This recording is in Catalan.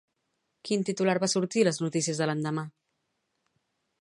Quin titular va sortir a les notícies de l'endemà?